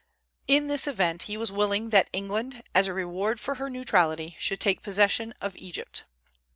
In this event he was willing that England, as a reward for her neutrality, should take possession of Egypt.